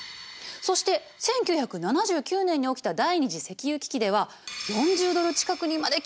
そして１９７９年に起きた第２次石油危機では４０ドル近くにまで急上昇してる。